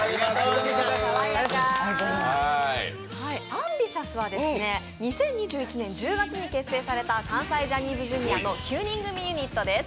ＡｍＢｉｔｉｏｕｓは２０２１年１０月に結成された関西ジャニーズＪｒ．の９人組ユニットです。